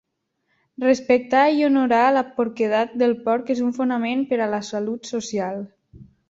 Respectar i honorar la porquedat del porc és un fonament per a la salut social.